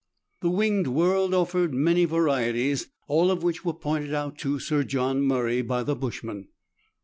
The winged world offered many varieties, all of which were pointed out to Sir John Murray by the bushman.